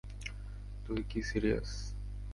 তুই কি সিরিয়াস?